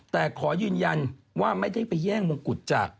แต่ขอยืนยันว่าไม่ได้ไปแย่งมงกุฎจาก